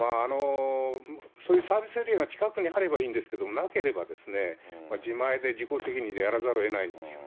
そういうサービスエリアが近くにあればいいんですけど、なければ、自前で自己責任でやらざるをえないんですよね。